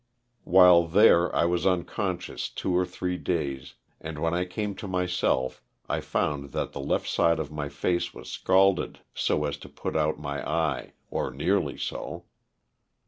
While there I was unconscious two or three days, and when I came to myself I found that the left side of my face was scalded so as to put out my eye, or nearly so.